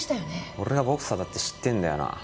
俺がボクサーだって知ってんだよな？